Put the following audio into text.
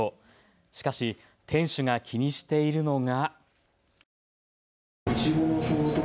しかし店主が気にしているのが。